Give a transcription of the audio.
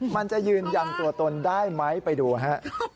มันจะยืนยันตัวตนได้ไหมไปดูฮะ